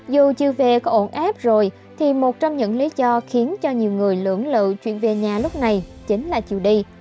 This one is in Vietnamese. dù chiều về có ổn ép rồi thì một trong những lý do khiến cho nhiều người lưỡng lự chuyển về nhà lúc này chính là chiều đi